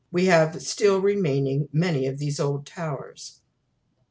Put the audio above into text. We have still remaining many of these old towers.